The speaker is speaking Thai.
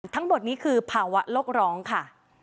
ทั้งหมดนี้คือภาวะโลกร้องค่ะ